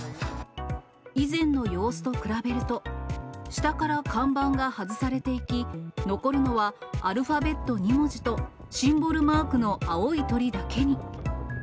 以前の様子と比べると、下から看板が外されていき、残るのはアルファベット２文字と、シンボルマークの青い鳥だけに。